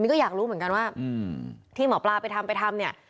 ก็อยากรู้เหมือนกันว่าที่หมอปลาไปทำไปทำเนี่ย